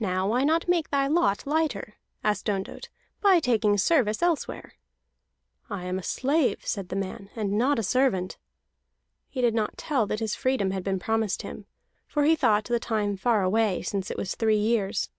"Now, why not make thy lot lighter," asked Ondott, "by taking service elsewhere?" "I am a slave," said the man, "and not a servant." He did not tell that his freedom had been promised him, for he thought that time far away, since it was three years.